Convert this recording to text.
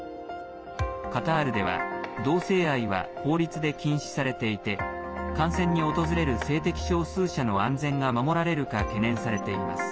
カタールでは同性愛は法律で禁止されていて観戦に訪れる性的少数者の安全が守られるか懸念されています。